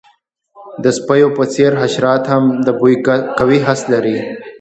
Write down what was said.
د سپیو په څیر، حشرات هم د بوی قوي حس لري.